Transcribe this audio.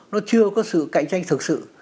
nó chưa có sự cạnh tranh thực sự